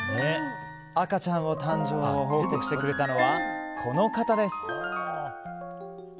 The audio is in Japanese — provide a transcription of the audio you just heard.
赤ちゃんの誕生を報告してくれたのはこの方です！